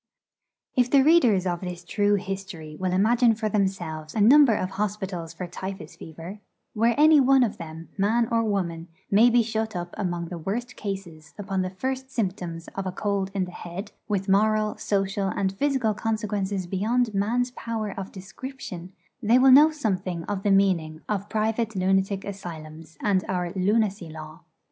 If the readers of this true history will imagine for themselves a number of hospitals for typhus fever, where any one of them, man or woman, may be shut up among the worst cases upon the first symptoms of a cold in the head with moral, social, and physical consequences beyond man's power of description they will know something of the meaning of private lunatic asylums, and our 'lunacy law.'